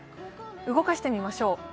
動かしてみましょう。